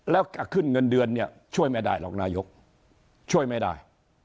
แล้วขึ้นเงินเดือนเนี่ยช่วยไม่ได้หรอกนายกช่วยไม่ได้